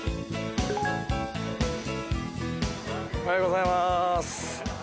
おはようございます。